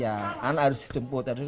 anak harus dijemput